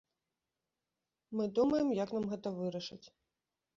Мы думаем, як нам гэта вырашыць.